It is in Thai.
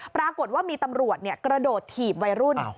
ปรากฏว่ามีตำรวจกระโดดถีบวัยรุ่น